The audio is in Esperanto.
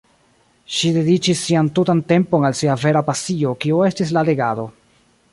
Ŝi dediĉis sian tutan tempon al sia vera pasio kio estis la legado.